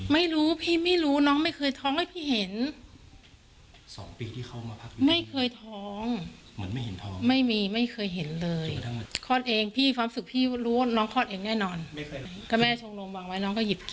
บ้านไปขึ้นที่สิ่งที่ผมแถว๗วัน๔๕บาททุกวัน